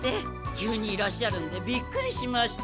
急にいらっしゃるんでびっくりしました。